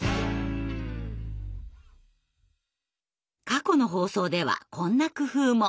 過去の放送ではこんな工夫も。